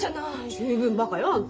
十分バカよあんた。